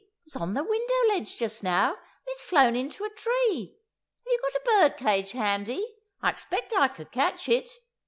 It was on the window ledge just now, and it's flown into a tree. Have you got a bird cage handy? I expect I could catch it.